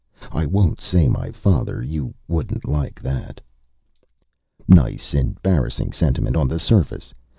I won't say my father; you wouldn't like that." Nice, embarrassing sentiment, on the surface.